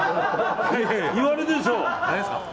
言われるでしょ！